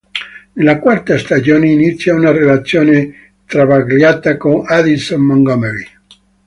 Nella quarta stagione inizia una relazione travagliata con Addison Montgomery.